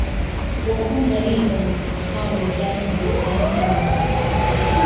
بۆخۆم غهریبم، خاڵۆ یارم بۆکانییه